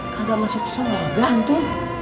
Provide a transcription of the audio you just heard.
tidak masuk surga antu